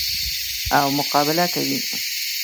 او مقابله کوي.